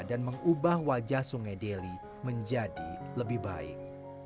dan mengubah wajah sungai deli menjadi lebih baik